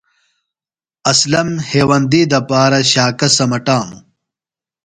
اسلم ہیوندی دپارہ شاکہ سمٹانو۔ جۡوار